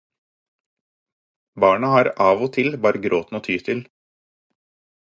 Barnet har somtid berre gråten å ta til